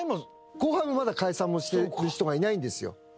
後輩もまだ解散をしてる人がいないんですよ。